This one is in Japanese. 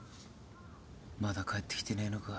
まだ帰ってきてねえのか。